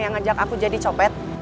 orang yang ajak aku jadi copet